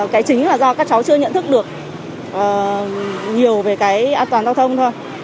cái chính là do các cháu chưa nhận thức được nhiều về cái an toàn giao thông thôi